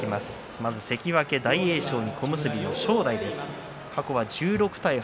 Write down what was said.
まずは関脇大栄翔、小結の正代。